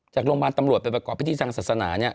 จากโรงพยาบาลตำรวจไปประกอบพิธีทางศาสนา